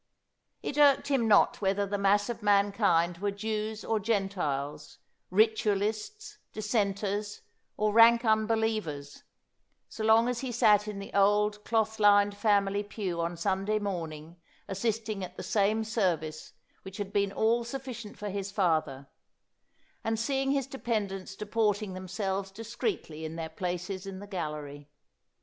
It irked him not whether the mass of mankind were Jews or Gentiles, Ritual ists, Dissenters, or rank unbelievers, so long as he sat in the old cloth lined family pew on Sunday morning assisting at the same service which had been all sufficient for his father, and seeing his dependents deporting themselves discreetly in their places in the gallery.